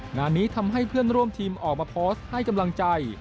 งานนี้ทำให้เพื่อนร่วมทีมออกมาโพสต์ให้กำลังใจ